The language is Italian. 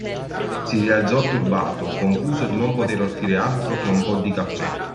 Si rialzò turbato, confuso di non poter offrire altro che un po' di caffè.